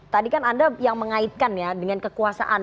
tadi kan anda yang mengaitkan ya dengan kekuasaan